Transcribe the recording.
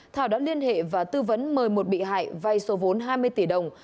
thảo đã liên hệ và tư vấn mời một bị hại vay số vốn hai mươi tỷ đồng